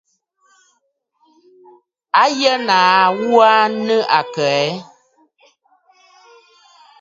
A yə nàa ghu aa nɨ àkə̀?